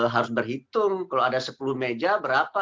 harus berhitung kalau ada sepuluh meja berapa